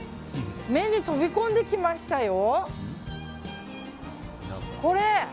目に飛び込んできましたよ。